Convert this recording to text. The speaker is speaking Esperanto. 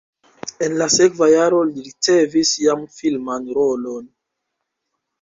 En la sekva jaro li ricevis jam filman rolon.